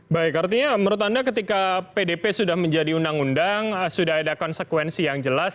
baik artinya menurut anda ketika pdp sudah menjadi undang undang sudah ada konsekuensi yang jelas